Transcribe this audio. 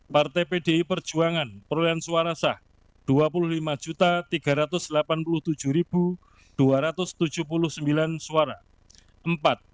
partai pdi perjuangan perolehan suara sah dua puluh lima tiga ratus delapan puluh tujuh dua ratus tujuh puluh sembilan suara